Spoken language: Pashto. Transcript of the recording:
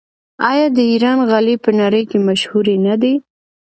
آیا د ایران غالۍ په نړۍ کې مشهورې نه دي؟